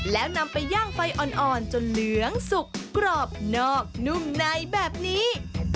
แล้วนำไปย่างไฟอ่อนจนเหลืองสุกกรอบนอกนุ่มในแบบนี้